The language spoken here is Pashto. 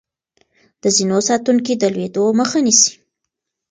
د زينو ساتونکي د لوېدو مخه نيسي.